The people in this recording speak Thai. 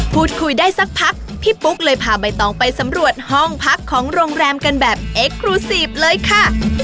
พูดคุยได้สักพักพี่ปุ๊กเลยพาใบตองไปสำรวจห้องพักของโรงแรมกันแบบเอ็กครูซีฟเลยค่ะ